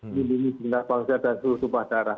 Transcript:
melindungi bangsa dan suhu suhu pasara